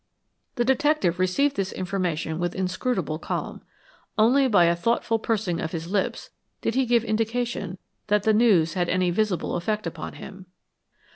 The detective received this information with inscrutable calm. Only by a thoughtful pursing of his lips did he give indication that the news had any visible effect upon him.